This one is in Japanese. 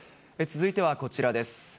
続いてはこちらです。